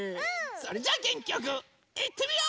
それじゃあげんきよくいってみよう！